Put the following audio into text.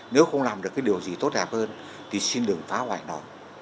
nếu không làm được cái điều gì tốt đẹp hơn thì xin đừng phá hoại nó